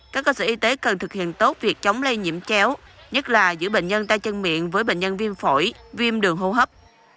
các cơ sở y tế cần thực hiện tốt việc chống lây nhiễm chéo nhất là giữ bệnh nhân tay chân miệng với bệnh nhân viêm phổi viêm đường hô hấp